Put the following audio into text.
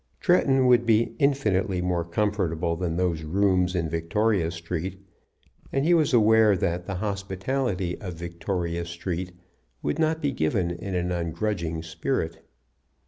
Tretton would be infinitely more comfortable than those rooms in Victoria Street, and he was aware that the hospitality of Victoria Street would not be given in an ungrudging spirit.